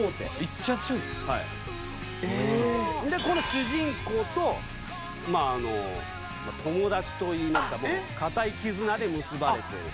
でこの主人公と友達といいますか固い絆で結ばれている。